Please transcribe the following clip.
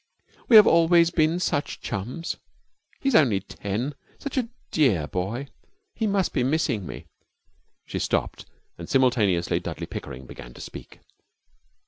'We have always been such chums. He is only ten such a dear boy! He must be missing me ' She stopped, and simultaneously Dudley Pickering began to speak.